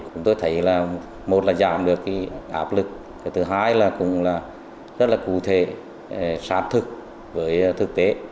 chúng tôi thấy là một là giảm được áp lực cái thứ hai là cũng là rất là cụ thể sát thực với thực tế